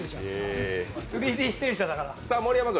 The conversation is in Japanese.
３Ｄ出演者だから。